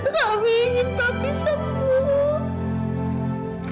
kami ingin papi sembuh